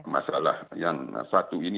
masalah yang satu ini